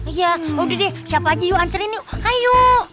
iya udah deh siapa aja yuk anserin yuk ayo